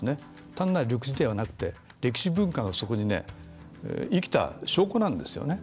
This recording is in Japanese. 単なる緑地ではなくて歴史文化が生きた証拠なんですよね。